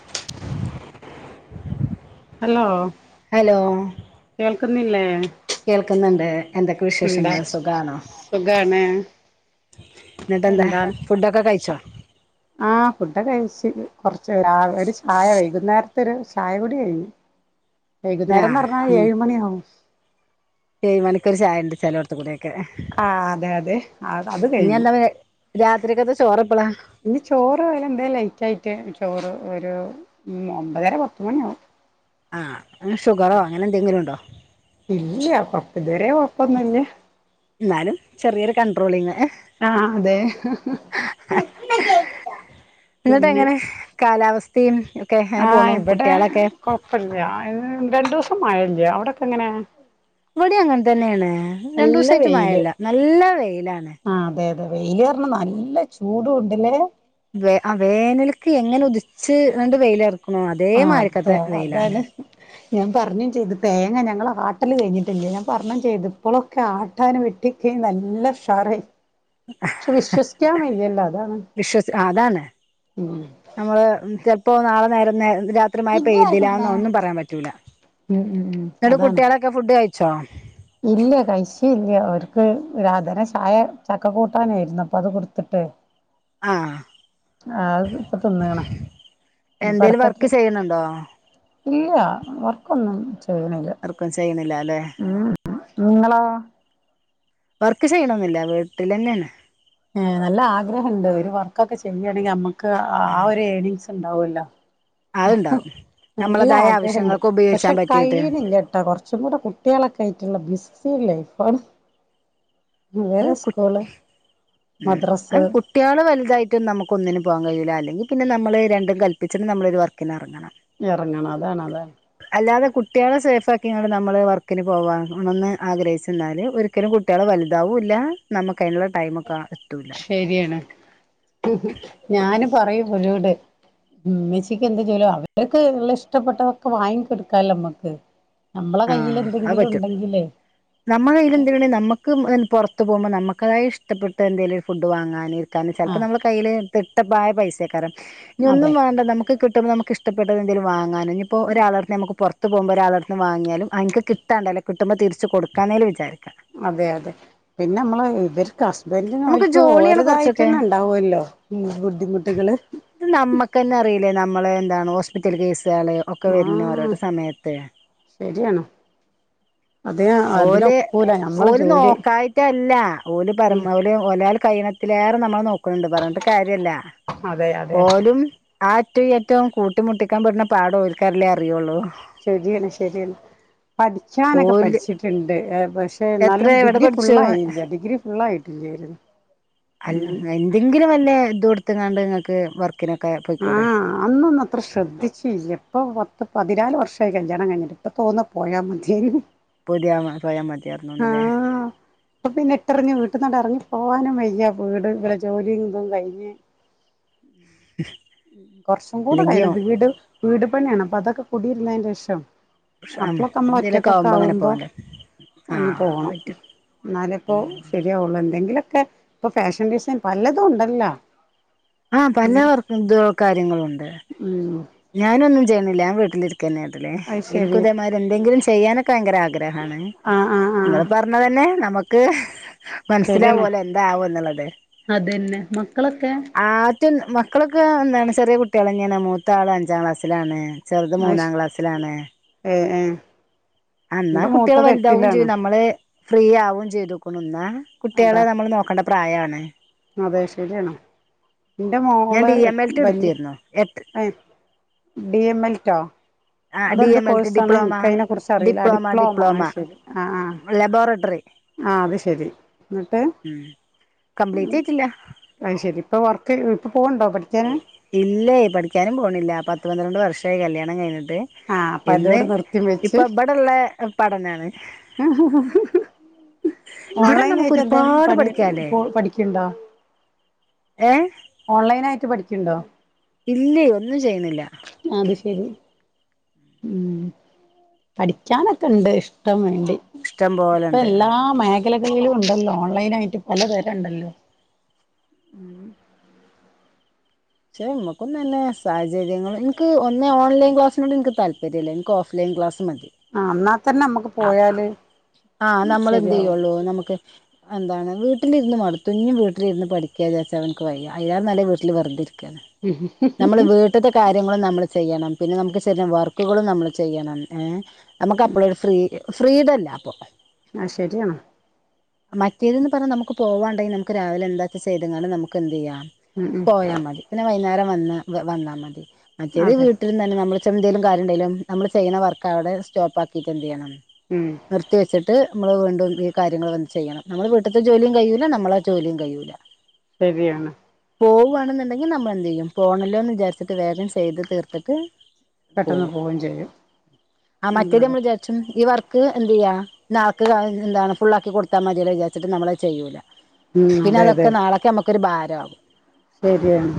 [inaudible] Hello hello കേക്കുനിക്കുന്നില്ലേ കേൾക്കുന്നുണ്ട് എന്തൊക്കെ വിശേഷങ്ങള് സുഖണോ സുഖാണ് എന്നിട്ടെന്താ ഫുഡൊക്കെ കഴിച്ചോ? ആ ഫുഡ കഴിച്ചു കൊറച്ച് ഒരു ചായ വൈകുന്നേരത്തെ ഒരു ചായ കുടി കഴിഞ്ഞു. വൈകുന്നേരം എന്ന് പറഞ്ഞാൽ ഏഴ് മണിയാവും ഏയ്മണിക്കൊരു ചായ ഉണ്ട് ചിലോടതുകൂടെ ആ അതെ അതെ അ അത് ഇനി കഴിഞ്ഞു എന്താ രാത്രിക്കത്തെ ചോറെപ്പളാ ഇനി ചോറ് വല എന്താ ലൈറ്റ് ആയിട്ട് ചോറ് ഒരു ഒമ്പതര പത്ത് മണിയാവും ആ അങ്ങനെ ഷുഗറോ അങ്ങനെ എന്തെങ്കിലുംണ്ടോ? ഇല്ല കൊപ്പ ഇതുരെ കൊഴപ്പൊന്നൂല്ല എന്നാലും ചെറിയൊരു കൺട്രോളിങ്. ആ അതെ പിന്നെ. സ്ത്തിം ഒക്കെ അങ്ങനെ ആഹ് പോണു ഇവിടെ കുട്ടികളൊക്കെ കൊഴപ്പല്ല രണ്ടു ദിവസം മഴ ഇല്ല്യ അവിടൊക്കെ എങ്ങനെയാ? ഇവിടെ അങ്ങനെ തന്നെയാണ് രണ്ടു ദിവസമായിട്ട് വെയില് മഴല്ല നല്ല വെയിലാണ്. വെയില കണം നല്ല ചൂടു ഉണ്ടല്ലേ വ വേനലക്ക് എങ്ങനെ ഉദിച്ച് രണ്ട് വെയില ഇറക്ക ണോ അതേ ആ അതെ മാരിക്കത്തെ വെയിലാണ്. അതാണ് ഞാൻ പറഞ്ഞും ചെയ്ത് തേങ്ങ ഞങ്ങ ആട്ടല് കഴിഞ്ഞിട്ടില്ല ഞാൻ പറഞ്ഞ് ചെയ്ത് ഇപ്പോളൊക്കെ ആട്ടാന് വെട്ടിക്ക നല്ല ഷാറായി. അതാണ് വിശ്വസി അതാണ് ഉം നമ്മള് ക ഇപ്പോ നാളെ നേര നേ രാത്രിമയ പെയ്തില്ല ഇജ്ജാർക്ക്ണ്ടാ ഒന്നും പറയാൻ പറ്റൂല്ല ഉം ഉം ഉം നിട്ട് അതാണ് കുട്ടികളൊക്കെ ഫുഡ് കഴ ച്ചോ ഇല്ല കയിച്ചിട്ടില്ല അവർക്ക് ഒരാധന ചായ ചക്ക കൂട്ടാനായിരുന്നു അപ്പൊ അത് കൊടുത്തിട്ട്, ആഹ് ആത് ഇപ്പൊ തിന്നണ ഇനിപ്പ എന്തേലും വർക്ക് അടുത്തിട്ട് ചെയ്യണുണ്ടോ ഇല്ല വർക്ക് ഒന്നും ചെയ്യണില്ല വർക്കും ചെയ്യണില്ല അല്ലെ ഉം നിങ്ങളാ വർക്ക് ചെയ്യണെന്നില്ല വീട്ടിൽന്നെയാണ് ഏ നല്ല ആഗ്രഹം ഉണ്ട് ഒരു വർക്കൊക്കെ ചെയ്യുകയാണെങ്കിൽ അമ്മ ക്ക് ആ ഒരു ഏണിങ്സും ഇണ്ടവൂല്ലേ അതുണ്ടാവും നല്ല നമ്മളതായ ആഗ്രഹമുണ്ട് ആവശ്യങ്ങൾക്ക് ഉപയോഗിച്ചാൻ പക്ഷെ പറ്റിയിട്ട് കഴിനില്ലാട്ടോ കുറച്ചും കൂടെ കുട്ടികളൊക്കെ ആയിട്ടുള്ള ബിസ് സി ലൈഫാണ് അത് ഇവരെ സ്കൂള് ഉം മദ്രസ് അത് കുട്ടികള് വലുതായിട്ട് നമുക്ക് ഒന്നിനും പോകാൻ കഴിയൂലാ അല്ലെങ്കി പിന്നെ നമ്മള് രണ്ടും കല്പ്പിച്ച് നമ്മളൊരു വർക്കിന് ഇറങ്ങണം [unintelligible] റങ്ങണം അതാണ് അതാണ് കുട്ടികള് സേഫാക്കിയാണ് നമ്മള് വർക്കിന് പോവാനാണെന്ന് ആഗ്രഹിച്ചെന്നാല് ഒരിക്കലും കുട്ടികള് വലുതാവും ഇല്ല നമ ക്കയിനുള്ള ടൈമൊക്കെ കാ കിട്ടൂലാ ശരിയാണ് ഞാന് പറയും ഓരോട് ഉമ്മച്ചിക്ക് എന്ത് [unintelligible] അവർക്ക് ഇള്ള ഇഷ്ടപ്പെട്ടതൊക്കെ വാങ്ങിക്കൊടുക്കാല്ലാ നമ്മക്ക് നമ്മളെ ആ കയ്യിൽ അത് എന്തെങ്കിലും പറ്റും ഉണ്ടെങ്കിലേ നമ്മട കയ്യില് എന്തേലുണ്ടെങ്കി നമ്മക്ക് പൊറ ത്ത് പോകുമ്പോ നമുക്കതായി ഇഷ്ടപ്പെട്ട എന്തെങ്കിലും ഫുഡ് വാങ്ങാന് കാരണം ചെലപ്പോ ആഹ് നമ്മള കയ്യില് തിട്ടപ്പായ പൈസക്കരം ഇനി ഒന്നും അതെ വേണ്ട നമുക്ക് കി ട്ടുന്നത് നമുക്കിഷ്ടപ്പെട്ട എന്തേലും വാങ്ങാൻ ഇനിയിപ്പോ ഒരാളടുത്ത് നമ്മുക്ക് പൊറത്ത്ന്ന് പൊറത്ത് പോകുമ്പോ ഒരാൾടുത്ത് വാങ്ങിയാലും അനക്ക് കിട്ടാണ്ടല്ലോ കിട്ടുമ്പോ തിരിച്ച് കൊടുക്കാന്നേലും വിചാരിക്കും അതെ അതെ പിന്നെ നമ്മള് ഇവര് ക്ക് ഹസ്ബൻഡ് നമുക്ക് അവർക്ക് ജോലിയാണ് കുറച്ചൊക്കെ ഓര്തായിട്ടന്നെ ഉണ്ടാവല്ലോ ബുദ്ധിമുട്ടുകള് ല്ലെ നമ്മളെ എന്താണ് ഹോസ്പിറ്റൽ കേസ് കള് ഒക്കെ വരുന്ന ഓരോര ആഹ് സമയത്ത് ശരിയാണ് അതെ ഓല് അതിനൊക്കൂല നമ്മളെ ഓല് ജോലി നോക്കായിട്ടല്ല അ ഓ ഉം പറഞ്ഞ പോലെ ഒലാള് പ്പ കൈനത്തിലേറെ നമ്മളെ നോക്കണുണ്ട് പറഞ്ഞിട്ട് കാര്യല്ലാ അതെ അതെ ആ അറ്റോം ഈ അറ്റോം കൂട്ടിമുട്ടിക്കാൻ പെടുന്ന പാട് ഓൽക്കല്ലേ അറിയോള്ളൂ ശരിയാണ് ശരിയാണ് പഠിച്ചാനൊക്കെ ഓല് പഠിച്ചിട്ടുണ്ട് പക്ഷെ എത്ര എന്നാലും ഡിഗ്രി ഫുള്ളായില്ലാ ഡിഗ്രി ഫുള്ളായി അല്ലെ എന്തെങ്കിലുമല്ലേ ഇത് കൊടു [unintelligible] നിങ്ങൾക്ക് വർക്ക് ആ അന്നൊന്നും അത്ര ശ്രദ്ധിച്ചില്ലാ ഇപ്പ [unintelligible] പതിനാല് വർഷായി കല്യാണം കഴിഞ്ഞിട്ട് ഇപ്പ തോന്നും പോയാ മതീന്ന്. [unintelligible] മ ആ അപ്പൊ പിന്നെ ഇട്ടെറിഞ്ഞു വീട്ടിന്നങ്ങട് എറങ്ങി പോവാനും വയ്യ വീട് ഇവിടെ ജോലി ഇതും കഴിഞ്ഞ് കൊറച്ചും കൂടെ അല്ലെങ്കിയോ കഴിയണം വീട് വീട് പ്പന്നയാണ്അതൊക്കെ കുടിരുന്നേന്റെ ഷം അപ്പോളൊക്കെ നമ്മൾ എന്തേലൊക്കെ ഒറ്റക്കൊക്കെ അങ്ങനെ ആവുമ്പോ പോവാല്ലേ ഒന്ന് ആഹ് അത് പോകണം പറ്റും എന്നാലെപ്പോൾ ശരിയാവുള്ളൂ എന്തെങ്കിലുമൊ കെ ഇപ്പൊ ഫാഷൻ ഡിസൈൻ പലതും ഉണ്ടല്ല. ആഹ പലവർക്കും ഗ കാര്യങ്ങളുണ്ട് ഉം ഞാനൊന്നും ചെയ്യന്നില്ല ഞാൻ വീട്ടിലിരി അത് [inaudible] ശരി എനിക്കുതേമാതിരി എന്തെങ്കിലും ചെ ചെയ്യാനൊക്കെ ഭയങ്കര ആഗ്രഹാണ് ആഹ് ആഹ് നിങ്ങൾ ആഹ് പറഞ്ഞ തന്നെ നമുക്ക് [unintelligible] ശരിയാണ് മനസ്സിലാവോലെ എന്താവും എന്നുള്ളത് അതന്നെ മക്കളൊക്കെ ആ മറ്റ് മക്കളൊക്കെ എന്താണ് ചെറിയ കുട്ടികളന്നാണ് മൂ മൂത്താള് അഞ്ചാം ക്ലാസ്സിലാണ്. ചെറുത് മൂന്നാം ക്ലാസ്സിലാണ്. എ എന്നാ കുട്ടികൾ വലുതാവും ചെയ്യും നമ്മള് ഫ്രീ ആവുംചെയ്തേക്കുണു ന്നാ അതാ കുട്ടികളെ നമ്മൾ നോക്കേണം പ്രായാണ് അതെ ശരിയാണോ എന്റെ ഞാൻ മോള് ഡി എം എട് എൽ ടി എടുത്തിരുന്നു എട്ട് വല്യ ഡി എം എൽ ട്ടോ ആഹ് ഡി അതെന്ത് എം എൽ ടി കോഴ്സാണ് ഡിപ്ലോമ എനിക്കതിനെ കുറിച്ച് അറിയില്ല ഡിപ്ലോമ ശരി ആ ആ് ലബോറട്ടറി ആ അത് ശെരി എന്നിട്ട് ജയിച്ചില്ല ഇപ്പ വർക്ക് ഇപ്പ ഇല്ലേ പഠിക്കാനും പോണില്ല പത്തു പന്ത്രണ്ട് വർഷം [unintelligible] കല്യാണം കഴിഞ്ഞെന്ന് ആഹ് അപ്പൊ ഇന്ന് അതോട് നിർത്തി ഇപ്പൊ ഇവിടൊള്ള പഠനാണ് ആഹഹഹ ഇവിടെ ഓൺലൈൻ നമുക്ക് ആയിട്ട് എന്തേലും ഒരുപാട് പണി പഠിക്കാല്ലേ ഇപ്പോ പഠിക്കന്ണ്ടാ ഏ ഓൺലൈൻ ആയിട്ട് പഠിക്കന്ണ്ടോ ഇല്ലേ ഒന്നും ചെയ്യുന്നില്ല അത് ശരി ഉം ഇഷ്ടം ഇപ്പ പോലെണ്ട് എല്ലാ മേഖലകളിലും ഉണ്ടല്ലോ ഓൺലൈൻ ആയിട്ട് നല്ല തെര ഉണ്ടല്ലോ പക്ഷെ മ്മക്കൊന്നും ഇല്ല സാഹചര്യങ്ങൾ എനിക്ക് ഒന്ന് ഓൺലൈൻ ക്ലാസിനോട് എനിക്ക് താല്പര്യമില്ല എനിക്ക് ഓഫ് ലൈൻ ക്ലാസ് മതി ആ അന്നാ ആഹ് നമ്മൾ എന്ത് ശരിയാവും ചെയ്യുള്ളൂ നമുക്ക് എന്താണ് വീട്ടിലിരുന്ന് മടുത്തു ഇനി വീട്ടിലിരുന്ന് പഠിക്കാന്ന് വെച്ചാൽ എനക്ക് വയ്യ വയ്യാന്നല്ല വീട്ടില് വെറുതെ ഇരി നമ്മള് വീട്ടിത്തെ കാര്യങ്ങളും നമ്മള് ചെയ്യണം പിന്നെ നമുക്ക് [unintelligible] വർക്കുകളും നമ്മള് ചെയ്യണം ഏ നമുക്ക് അപ്പൊഴെ ഫ്രീഡല്ല അപ്പൊ ആഹ് ശരിയാണ് മറ്റേത്ന്ന് പറഞ്ഞാൽ നമുക്ക് പോവാണ്ടെങ്കിൽ നമുക്ക് രാവിലെ എന്താ ചെയ്ത കും നമുക്ക് എന്ത് ചെയ്യാം ഉം ഉം പോയാൽ മതി പിന്നെ വൈകുന്നേരം വന്ന വന്നാ മതി ആ ചെറിയ അതെ വീട്ടിലിന്ന് തന്നെ നമ്മള് എന്തേലും കാര്യമുണ്ടേലും നമ്മള് ചെയ്യണ വർക്കവിടെ സ്റ്റോപ്പാക്കി ഇപ്പന്തുചെയ്യണം ഉം നിർത്തി വച്ചിട്ട് നമ്മള് വീണ്ടും ഈ കാര്യങ്ങൾ വന്ന് ചെയ്യണം നമ്മള വീട്ടത്തെ ജോലിയും കയിയൂല്ല നമ്മള ജോലിയും കയിയൂല്ല ശരിയാണ് പോവുകവാണെന്നുണ്ടെങ്കിൽ നമ്മൾ എന്തു ചെയ്യും പോണല്ലോന്ന് വിചാരിച്ചിട്ട് വേഗം ചെയ്ത് തീർത്തിട്ട് പെട്ടെന്ന് പോവയും ചെയ്യും ഉം [unintelligible] നമ്മള് അതെ വിചാരിച്ചും ഈ വർ ക്ക് എന്ത്‌ ചെയ്യ നാക്ക് എന്താണ് ഫുുള്ളാക്കി കൊടുത്താൽ മതിയല്ലോ വിചാരിച്ചിട്ട് നമ്മളത് ചെയ്യൂല. ഉം പിന്നെ അതെ അതെ അതൊക്കെ നാളൊക്കെ നമു ക്കൊരു ബാരാവും ശരിയാണ്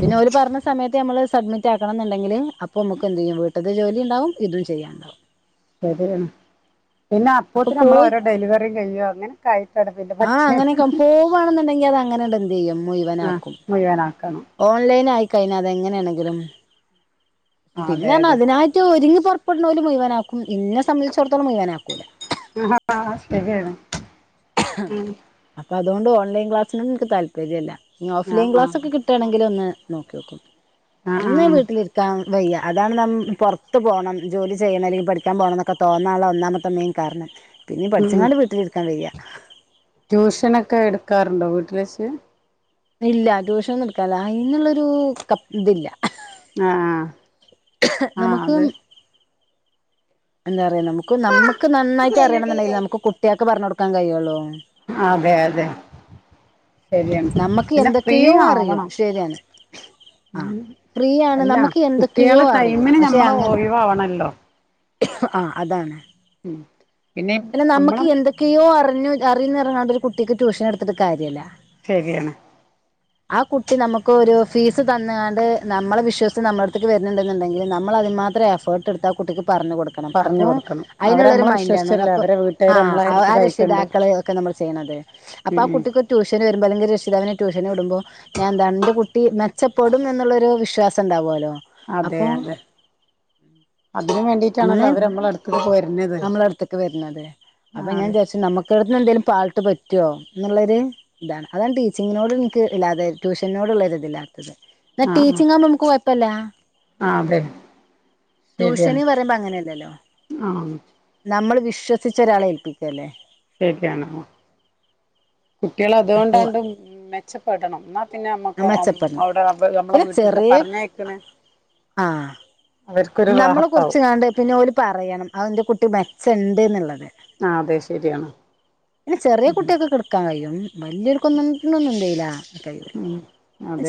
പിന്നെ അവര് പറഞ്ഞ സമയത്ത് നമ്മള് സബ്മിറ്റ് ആക്കണം എന്നുണ്ടെങ്കില് അപ്പോ മുക്ക് എന്ത് ചെയ്യും വീട്ടക്ക്‌ ജോലി ഉണ്ടാകും ഇതും ചെയ്യാണ്ടോ ശരിയാണ് പിന്നെ അപ്പൊ അപ്പത്തെ നമ്മൾ പോയി ഓരോ ഡെലിവറിയും കഴയുക അങ്നെൊക്കെയിട്ടട പിന്നെ പക്ഷേ അങ്ങനെ ഉണ്ട് നിയമോ ഇവനാക്കും മുഴുവനാക്കണം ഓൺലൈൻ ആയി കഴിഞ്ഞ അത എങ്ങനെയാണെങ്കിലും ആ അതെ പിന്നെ അതെ അതിനായിട്ട് ഒരുങ്ങി - ഇപ്പോടുന്നവല മുഴവനാക്കും ഇന്നെ സംബന്ധിച്ചിടത്തോളം മുഴവന ആാക്കൂല ആ ശരിയാണ് [inaudible] അതുകൊണ്ട് ഓൺലൈൻ ക്ലസിനും നിക്ക് താല്പര്യമില്ല ഓഫ് ആ ലൈൻ ആ ക്ളാസ്സൊക്കെ കിട്ടുകയാണെങ്കിൽ ഒന്ന് നോക്കിയോക്കും ആ ആ ഒന്ന് വീട്ടില് ഇരിക്കാൻ വയ്യ അതാണ് പുറത്ത് പോണം ജോലി ചെയ്യണം അല്ലെങ്കിൽ പഠിക്കാൻ പോകണം എന്നൊക്കെ തോന്നാനുള്ള ഒന്നാമത്തെ മെയിൻ കാരണം പിന്നെ ഉം ഉം പഠിച്ച്ങ്ങാണ്ട് വീട്ടിലിരിക്കാൻ വയ്യ ട്യൂഷനൊക്കെ എടുക്കാറുണ്ടോ വീട്ടിൽ വച്ച് ഇല്ല ട്യൂഷനൊന്നുംടുക്കലില്ല അതിന്നുള്ളൊരു ഇത് തില്ല ആഹ നമുക്ക് അല്ല അ നമുക്ക് നമ്മക്ക് നന്നായി അറിയണം എന്നുണ്ടെങ്കി നമ്മക്ക് കുട്ടിയാക്ക് പറഞ്ഞൊടുക്ക കൈയള്ളോ അതെ അതെ ശരിയാണ് നമുക്ക് പിന്നെ ഫ്രീ എന്തൊക്കെയോ അറിയും ആവണം ശരിയാണ് ആ ഉം ഫ്രീ ആണ് അല്ല നമുക്ക് എന്തൊക്കെയോ കുട്ട്യോളെ അറിയും ടൈമിന് പക്ഷെ ഞമ്മള് അങ്ങനെ ഒഴിവാവണല്ലോ ആ അതാണ് ഉം പിന്നെ നമ്മക്ക് എന്തൊക്കെയോ അറിയ് ഞ് അറിയും ന്ന് പറഞ്ഞാണ്ട് ഒരു കുട്ടിക്ക് ട്യൂഷൻ എടുത്തിട്ട് കാര്യമില്ല ശരിയാണ് ആ കുട്ടി നമ്മക്ക് ഒരു ഫീസ് തന്ന്കാണ്ട് നമ്മളെ വിശ്വാസിച്ച് നമ്മുടെ അടുത്തേക്ക് വരുന്നുണ്ടെങ്കിൽ നമ്മൾ അതി മാത്രം എഫേർട്ട് എടുത്ത് ആ കുട്ടിക്ക് പറഞ്ഞ് കൊടുക്കണം പറഞ്ഞു അപ്പോ കൊടുക്കണം അവര് അതിനുള്ള ഒരു നമ്മളെ മൈൻഡാണ് വിശ്വസിച്ചല്ലേ അ അവരെ വീട്ടുകാര് നമ്മളെ ആ അടുത്ത് ആ കഴിക്കണ്ട് രക്ഷിതാക്കൾ ഒക്കെ നമ്മൾ ചെയ്യണത് അപ്പൊ ആ ഉം ഉം കുട്ടിക്ക് ട്യൂഷന് വരുമ്പോ അല്ലെങ്കി രക്ഷി- ട്യൂഷന് വിടുമ്പോ ഞാൻ എന്താണ് എന്റെ കുട്ടി മെച്ചപ്പെടും എന്നുള്ളൊരു വിശ്വാസം ഇണ്ടാവല്ലോ അതെ അതെ അതിന് വേണ്ടിട്ട് പിന്നെ നമ്മളെ അടുത്തേക്ക് വര്ണത് ആ അപ്പൊ ഞാൻ അതെ വിചാച്ച് നമ്മക്ക് കിടന്ന് എന്തെങ്കിലും പാൾട്ട് പറ്റോ എന്നുള്ളൊരു ഇതാണ് അതാണ് ടീച്ചിങ്ങിനോട് എനിക്ക് ഇല്ലാതെ ട്യൂഷനോടുള്ളൊര് ഇതില്ലാ എന്ന ആ ആ ടീച്ചിങ്ങ് ആണേ നമക്ക് കുഴ പ്പ ല്ല ആ അതെ ശെരിയാണ് [unintelligible] അങ്ങനെയല്ലല്ലോ നമ്മള് ഇഷ് വിശ്വസിച്ചൊരാളെ ഏൽപ്പിക്കല്ലേ ശെരിയാണ് കുട്ട്യാള് അപ്പൊ അതുകൊണ്ടാണ്ട് മെച്ചപ്പെടണം ന്നാ പിന്നെ നമ്മക്ക് അം മെച്ചപ്പെടണം അവിടെ നമ്മളെ പിന്നെ വീട്ടക്ക് ചെറിയ പറഞ്ഞയ്ക്ക്ണെ ആ നമ്മളെ കുറിച്ച്ങ്ങാണ്ട് പിന്നെ ഓല് പറയണം ഔ ന്റെ കുട്ടി ചെണ്ട്ന്നുള്ളത് ആ അതെ ശരിയാണ് പിന്നെ ചെറിയ കുട്ട്യാക്കൊക്കെ ഇട്ക്കാൻ കയ്യും വല്യോര്ക്കൊന്നും [unintelligible] ഉം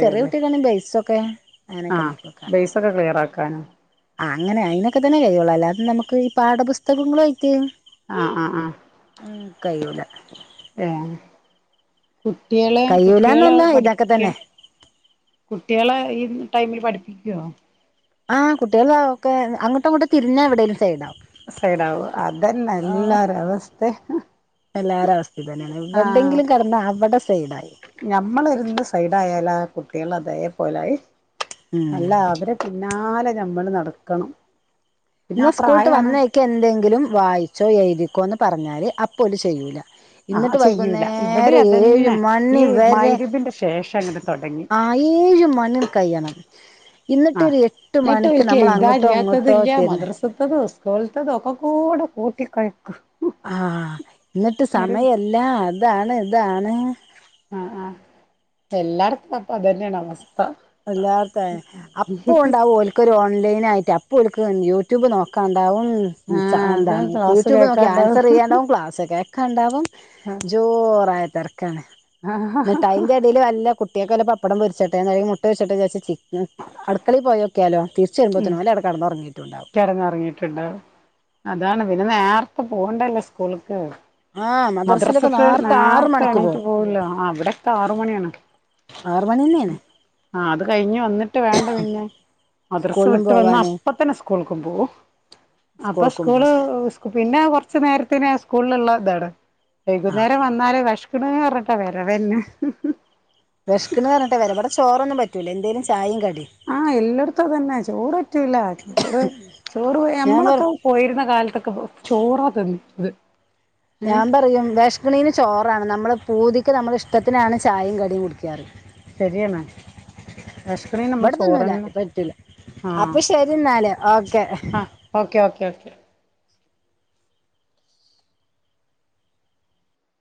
ചെറിയ കുട്ട്യാക്കെന്നെ [unintelligible] ഓക്കെ ആ ബേസൊക്കെ ക്ലിയർ ആക്കാനോ ആ അങ്ങനെ അതിനൊക്കെ തന്നെ ചെയ്യുള്ളൂ അല്ലാതെ നമുക്ക് ഈ പാഠപുസ്തകങ്ങളായിട്ട് ആ ആ ആ കഴിയൂല കുട്ട്യാളെ കുട്ട്യാളെ കഴിയൂലന്നല്ല ഇതൊക്കെ പഠിപ്പിക്ക തന്നെ കുട്ട്യാളെ ഈ ടൈമിൽ പഠി ക്കോ ആ് കുട്ട്യാള് താ ഒക്കെ അങ്ങോട്ടും ഇങ്ങട്ടും തിരിഞ്ഞാ എവിടേലും സൈഡാവും സൈഡാവും അതെന്നെ ആഹ് എല്ലാരവസ്ഥ എല്ലാരെ അവസ്ഥയും ഇതന്നെയാണ് ആ എവിടെങ്കിലും കെടന്നാ അവിടെ സൈഡായി ഞമ്മള് ഇരുന്ന് സൈഡായ ആ കുട്ടികൾ അതെ പോലായി ഉം അല്ല അവരെ പിന്ന ന്നാലെ ഞമ്മള് നടക്കണം പിന്നെ ഇന്ന് ആ സ്കൂളിട്ട് പ്രായാണ് വന്നയ്ക്കെന്തെങ്കിലും വായിച്ചോ എഴുതിക്കോന്ന് പറഞ്ഞാല് അപ്പോ ഓല് ചെയ്യൂല ആഹ് എന്നിട്ട് ചെയ്യൂല ഇവിടെ വൈകുന്നേരം ഏഴ് അതന്നെ ഈ മണി വരെ മഗ്‌രിബിന്റെ ശേഷം അങ്ങട് തൊടങ്ങി ആ ഏഴ് മണി അണ്ട് കയ്യണം എന്നിട്ട് ആഹ് എട്ട് മണിക്ക് നമ്മൾ അങ്ങോട്ടോ ഇങ്ങോട്ടോ തിരിഞ്ഞ് മദ്രസ്ത്തതും ക്കൂൾത്തതും ഒക്കെകൂടി കൂട്ടി കൊയക്കും ആ എന്നിട്ട് സമയല്ല ഇതാണ് ഇതാണ് ആഹ് ആ് എല്ലാർത്തും അപ്പൊ അതന്നെയാണ് അവസ്ഥ എല്ലാർഥ അപ്പൊ ഉണ്ടാവും ഒൾകൊരു ഓൺലൈൻ യിട്ട് അപ്പ എ യൂട്യൂബ് നോക്കാ എന്ത ആഹ് അത് ക്ലാസ് യൂട്യൂബ് നോക്കി കേക്കാണ്ടാവും ആൻസർ ചെയ്യണ്ടാവും ക്ലാസ്ക്കണ്ടാവും ജോറായ തിരക്കാണ് നിട്ട് അതിന്റെടേൽ കുട്ടക്കല്ല പപ്പടം പരിച്ചട്ട ട്ട ട്ടൊച്ചി ഉ അടുക്കളി പോയോക്കാലോ തീർ ഉ കിടങ്ങിറങ്ങിട്ടുണ്ടാവുഅതാണ് പിന്നെ നേരത്തെ പോകണ്ടല്ലേ സ്കൂളക്ക് ആഹ് മദ്രസയിലൊക്കെ മദ്രാസത്ത് ആറ് നേരത്തെ മണിക്ക് എണീട്ട് പോകും പോവല്ലോ അവിടെത്തെ ആറ്മണിയാണ് ആറ് മണി തന്നെയാണ് ആ അത് കഴിഞ്ഞു വനിട്ട്‌വേണ്ട പിന്നെ മദ്രസ സ്കൂളിലും വിട്ട് വന്ന പോവാന് അപ്പ തന്നെ സ്കൂൾകു പോകുംഅപ്പ സ്കൂൾക്കും പോകും സ്കൂള് പിന്നെ കുറ- കുറച്ച്നേരത്തെ ആ സ്കൂളിലുള്ള ഇതാ ട് ആ വൈകുന്നേരം വന്നാൽ വിഷപ്പ് വേശക്ക്ണ്പറഞ്ഞിട്ട്‌വരവ് തന്നെ വെശക്ക്ണ്എന്ന് പറഞ്ഞട്ട വരെവിടെ ചോറൊന്നും പറ്റൂല്ല എന്തങ്കലും ചായയും കടി ആ എല്ലായിടത്തും തന്നെ ചോററ്റുല്ല ചോറ് ചോറ് ഞാൻ പറ നമ്മളൊക്കെ പോയിരുന്ന കാലത്തൊക്കെ ചോറാ തിന്നിരുന്ന് ന്നത് ഞാൻ പറയും വേശകണീന് ചോറ് എപ്പോഴാണ് നമ്മള് പൂതിക്ക് നമ്മുടെ ഇഷ്ടത്തിനാണ് ചായയും കടിയും കുടിക്കാറ് ശരിയാണ് വിഷക്കണേന് നമ്മള് ഇവിടത്തൊന്നുംല ചോറന്നെ പറ്റൂല ആഹ് അപ്പൊ ശരി എന്നല്ഓക്കെ ആഹ് ഓക്കെ ഓക്കെ ഓക്കെ